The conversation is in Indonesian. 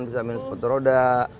bisa main sepetul roda